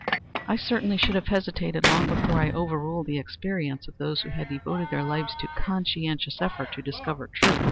"I certainly should have hesitated long before I overruled the experience of those who have devoted their lives to conscientious effort to discover truth."